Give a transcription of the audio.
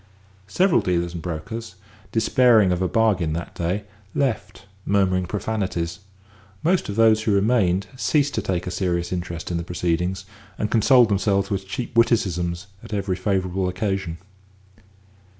Several dealers and brokers, despairing of a bargain that day, left, murmuring profanities; most of those who remained ceased to take a serious interest in the proceedings, and consoled themselves with cheap witticisms at every favourable occasion.